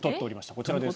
こちらです。